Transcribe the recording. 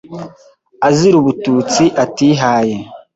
azira ubututsi atihaye